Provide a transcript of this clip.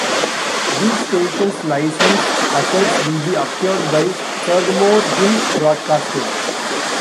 These stations' license assets will be acquired by SagamoreHill Broadcasting.